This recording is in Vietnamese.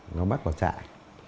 nó bắt vào trại